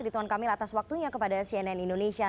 rituan kamil atas waktunya kepada cnn indonesia